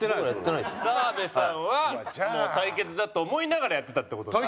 澤部さんはもう対決だと思いながらやってたって事ですよね？